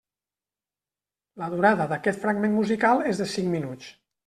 La durada d'aquest fragment musical és de cinc minuts.